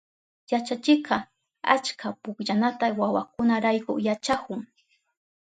Yachachikka achka pukllanata wawakunarayku yachahun.